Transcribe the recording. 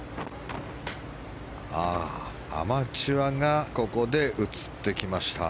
アマチュアがここで映ってきました。